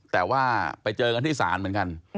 แต่ว่าไปเจอกันที่ศาลเหมือนกัน